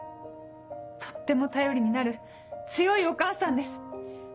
とっても頼りになる強いお母さんです。